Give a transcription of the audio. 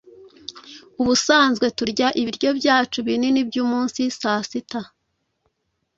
ubusanzwe turya ibiryo byacu binini byumunsi saa sita